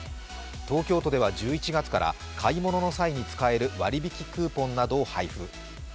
東京都では１１月から買い物の際に使える割引クーポンなどを配布。